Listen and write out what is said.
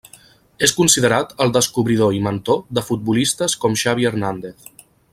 És considerat el descobridor i mentor de futbolistes com Xavi Hernández.